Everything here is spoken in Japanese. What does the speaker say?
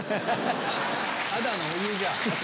ただのお湯じゃん。